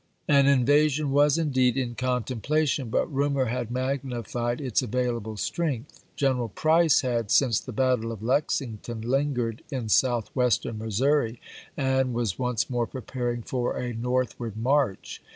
An invasion was indeed m con p. 392. templation, but rumor had magnified its available strength. Greneral Price had, since the battle of Lexington, lingered in Southwestern Missouri, and was once more preparing for a northward march.